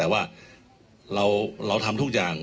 แต่ว่าเราทำทุกอย่าง